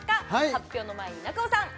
発表の前に中尾さん